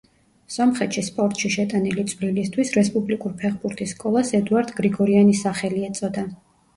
სომხეთში სპორტში შეტანილი წვლილისთვის, რესპუბლიკურ ფეხბურთის სკოლას ედუარდ გრიგორიანის სახელი ეწოდა.